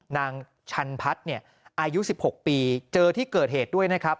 นางชันพัฒน์เนี่ยอายุ๑๖ปีเจอที่เกิดเหตุด้วยนะครับ